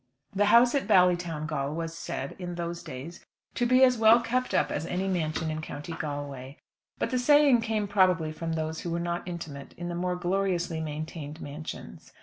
The house at Ballytowngal was said, in those days, to be as well kept up as any mansion in County Galway. But the saying came probably from those who were not intimate in the more gloriously maintained mansions.